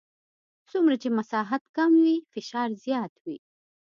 څومره چې مساحت کم وي فشار زیات وي.